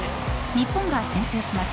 日本が先制します。